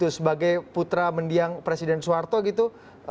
sebagai putra mendiang presiden soeharto gitu